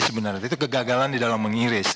sebenarnya itu kegagalan di dalam mengiris